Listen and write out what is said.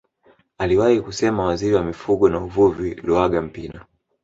Aliwahi kusema waziri wa mifugo na uvuvi Luaga Mpina